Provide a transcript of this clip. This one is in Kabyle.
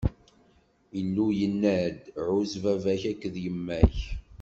Illu yenna-d: Ɛuzz baba-k akked yemma-k.